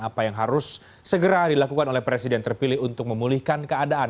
apa yang harus segera dilakukan oleh presiden terpilih untuk memulihkan keadaan